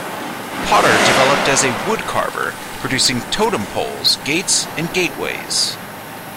Potter developed as a wood carver, producing totem poles, gates and gateways.